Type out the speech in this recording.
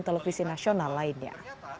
televisi nasional lainnya